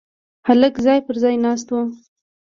هلک ځای پر ځای ناست و.